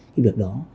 cái việc đó